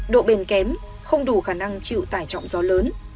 độ bền kém không đủ khả năng chịu tải trọng gió lớn